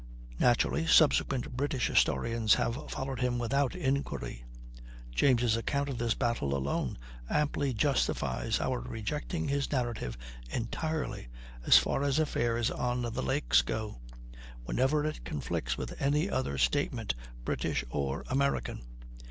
Naturally, subsequent British historians have followed him without inquiry. James' account of this battle, alone, amply justifies our rejecting his narrative entirely, as far as affairs on the lakes go, whenever it conflicts with any other statement, British or American.